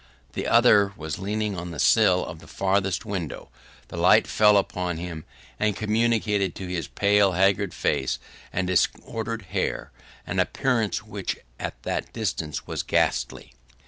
The other was leaning on the sill of the farthest window. The light fell full upon him, and communicated to his pale, haggard face, and disordered hair, an appearance which, at that distance, was ghastly.